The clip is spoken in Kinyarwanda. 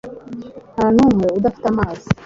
nta n'umwe udafite amazi.”